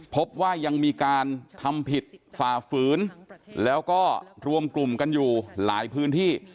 พบว่ายังมีการทำผิดฝ่าฝืนแล้วก็รวมกลุ่มกันอยู่หลายพื้นที่